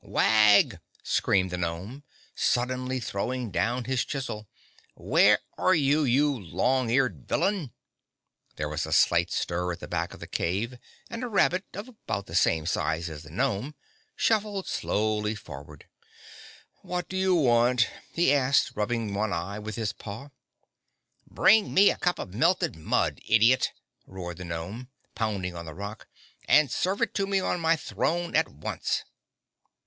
"Wag!" screamed the gnome, suddenly throwing down his chisel. "Where are you, you long eared villain?" There was a slight stir at the back of the cave and a rabbit, of about the same size as the gnome, shuffled slowly forward. "What you want?" he asked, rubbing one eye with his paw. "Bring me a cup of melted mud, idiot!" roared the gnome, pounding on the rock. "And serve it to me on my throne at once!"